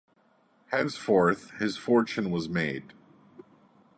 Henceforth, his fortune was made.